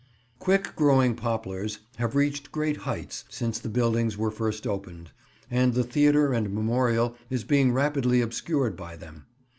Quick growing poplars have reached great heights since the buildings were first opened, and the Theatre and Memorial is being rapidly obscured by them.